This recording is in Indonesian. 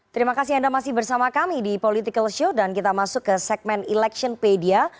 terima kasih anda masih bersama kami di political show dan kita masuk ke segmen electionpedia